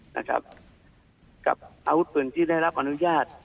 หาวูดปืนที่ได้รับอนุญาต